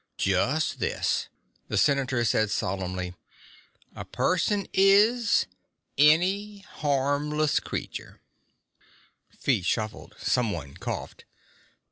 "Just this:" the Senator said solemnly. "A person is ... any harmless creature...." Feet shuffled. Someone coughed.